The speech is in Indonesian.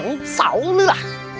ini tidak baik